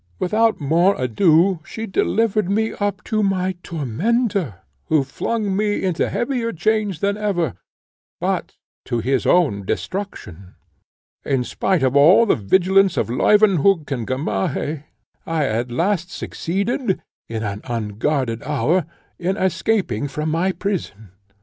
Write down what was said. Without more ado she delivered me up to my tormentor, who flung me into heavier chains than ever, but to his own destruction. In spite of all the vigilance of Leuwenhock and Gamaheh, I at last succeeded, in an unguarded hour, in escaping from my prison.